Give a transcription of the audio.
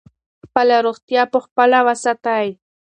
خپله روغتیا په خپله وساتئ.